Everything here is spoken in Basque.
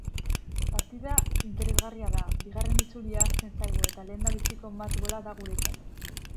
Partida ionteresgarria da, bigarren itzulia hasten zaigu eta lehendabiziko match-ball-a da guretzat.